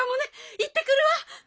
いってくるわ！